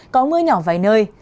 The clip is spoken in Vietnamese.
có mưa nhỏ vài nơi